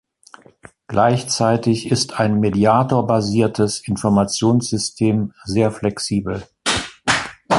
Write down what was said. Gleichzeitig ist ein Mediator-basiertes Informationssystem sehr flexibel.